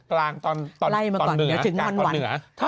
ใกล้มาก่อนเดี๋ยวถึงฮ่อนหวัน